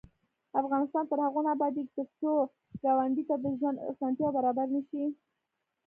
افغانستان تر هغو نه ابادیږي، ترڅو کونډې ته د ژوند اسانتیاوې برابرې نشي.